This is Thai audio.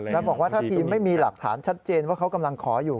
แล้วบอกว่าถ้าทีมไม่มีหลักฐานชัดเจนว่าเขากำลังขออยู่